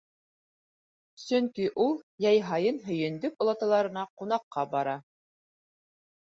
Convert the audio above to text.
Сөнки ул йәй һайын һөйөндөк олаталарына ҡунаҡҡа бара.